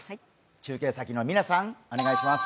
中継先の嶺さん、お願いします。